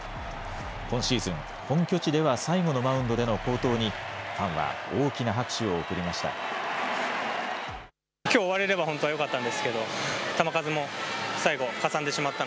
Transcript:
今シーズン、本拠地では最後のマウンドでの好投に、ファンは大きな拍手を送りました。